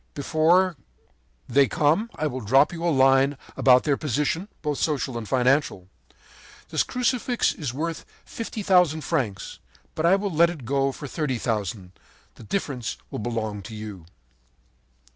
Before they come I will drop you a line about their position, both social and financial. This Crucifix is worth fifty thousand francs; but I will let it go for thirty thousand. The difference will belong to you.'